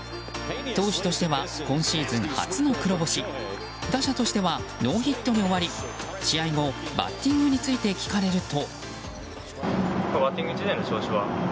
投手としては今シーズン初の黒星打者としてはノーヒットに終わり試合後、バッティングについて聞かれると。